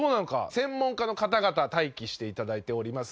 専門家の方々待機して頂いております。